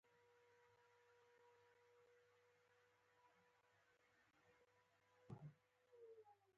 پیلوټ د هوايي ترمینل قوانینو ته پام کوي.